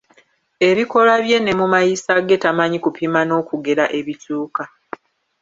Ebikolwa bye ne mu mayisa ge tamanyi kupima n'okugera ebituuka.